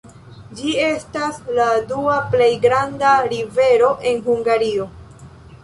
Ĝi estas la dua plej granda rivero en Hungario.